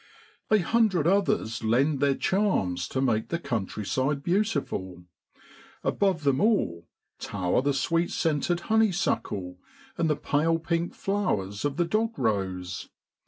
A hundred others lend their charms to make the countryside beautiful; above them all tower the sweet scented honeysuckle, and the pale pink flowers of the dog rose.